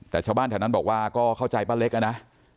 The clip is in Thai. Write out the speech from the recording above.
แต่ชาวบ้านแถวนั้นบอกว่าก็เข้าใจป้าเล็กนะ